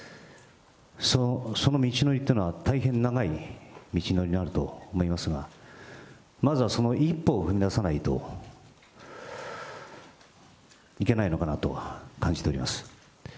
その道のりというのは大変長い道のりになると思いますが、まずはその一歩を踏み出さないといけないのかなと感じております。